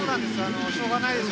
しょうがないです。